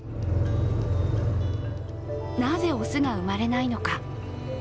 なぜ、雄が産まれないのか。